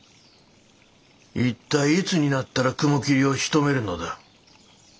一体いつになったら雲霧をしとめるのだ？